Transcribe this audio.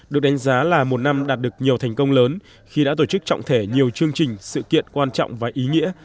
được đánh giá là một năm đạt được nhiều thành công lớn khi đã tổ chức trọng thể nhiều chương trình sự kiện quan trọng và ý nghĩa